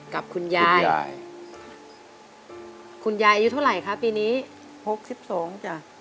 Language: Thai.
กับคุณยายคุณยายคุณยายอยู่เท่าไรคะปีนี้หกสิบสองจ้ะ